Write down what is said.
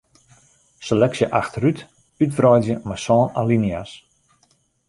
Seleksje achterút útwreidzje mei sân alinea's.